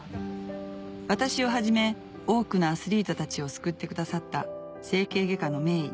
私をはじめ多くのアスリートたちを救ってくださった整形外科の名医